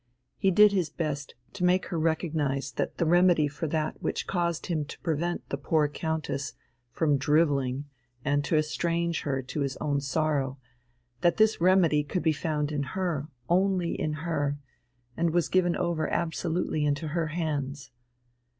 He did his best to make her recognize that the remedy for that which caused him to prevent the poor Countess from drivelling and to estrange her to his own sorrow, that this remedy could be found in her, only in her, and was given over absolutely into her hands.